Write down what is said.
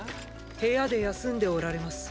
部屋で休んでおられます。